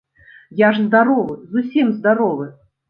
Я ж здаровы, зусім здаровы.